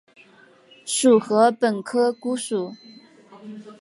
属禾本科菰属。